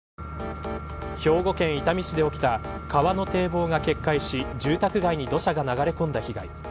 兵庫県伊丹市で起きた川の堤防が決壊し住宅街に土砂が流れ込んだ被害。